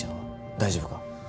大丈夫か？